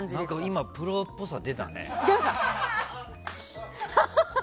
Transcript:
今、プロっぽさが出たね。